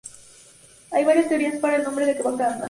Hay varias teorías para el nombre de Wakanda.